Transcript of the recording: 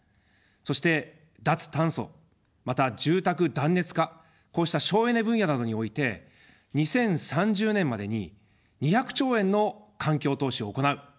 そして脱炭素、また住宅断熱化、こうした省エネ分野などにおいて２０３０年までに２００兆円の環境投資を行う。